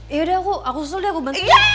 yaudah aku susul deh aku bantu